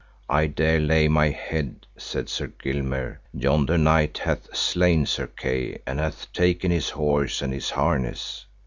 I dare lay my head, said Sir Gilmere, yonder knight hath slain Sir Kay and hath taken his horse and his harness.